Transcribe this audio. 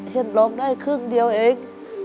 ร้องได้ครึ่งเดียวเอง